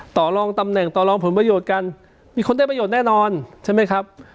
ต่อลองตำแหน่งต่อรองผลประโยชน์กันมีคนได้ประโยชน์แน่นอนใช่ไหมครับ